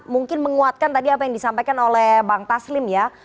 mungkin menguatkan tadi apa yang disampaikan oleh bang taslim ya